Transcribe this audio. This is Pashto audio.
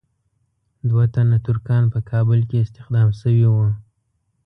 دوه تنه ترکان په کابل کې استخدام شوي وو.